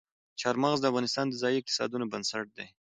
چار مغز د افغانستان د ځایي اقتصادونو بنسټ دی.